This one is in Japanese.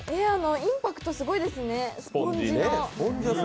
インパクトすごいですね、スポンジの。